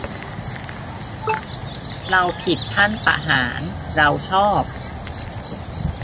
เราผิดท่านประหาร เราชอบ